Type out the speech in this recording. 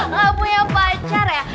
gak punya pacar ya